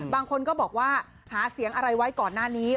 บางคนก็บอกว่าหาเสียงอะไรไว้ก่อนหน้านี้